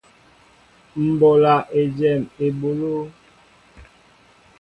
M ɓola éjem eɓoló.